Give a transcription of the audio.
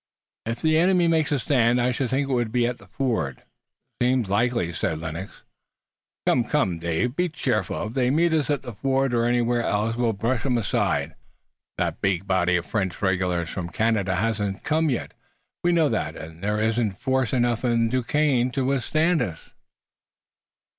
"If the enemy makes a stand I should think it would be at the ford." "Seems likely." "Come! Come, Dave! Be cheerful. If they meet us at the ford or anywhere else we'll brush 'em aside. That big body of French regulars from Canada hasn't come we know that and there isn't force enough in Duquesne to withstand us."